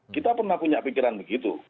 kita pernah punya pikiran begitu